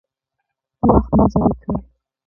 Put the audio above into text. وخت مه ضایع کوئ